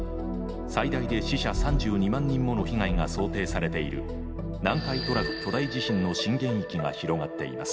最大で死者３２万人もの被害が想定されている南海トラフ巨大地震の震源域が広がっています。